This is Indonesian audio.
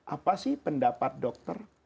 apa sih pendapat dokter